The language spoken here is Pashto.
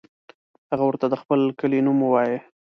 هغه ورته د خپل کلي نوم ووایه.